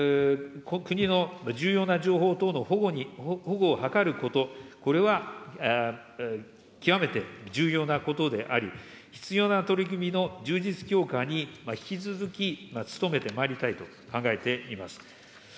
国の重要な情報等の保護を図ること、これは極めて重要なことであり、必要な取り組みの充実強化に引き続き努めてまいりたいと考えています。